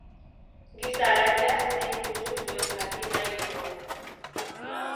Giza haragiak zein kutsu zuen jakin nahi nuen.